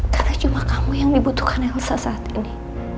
karena cuma kamu yang dibutuhkan elsa saat ini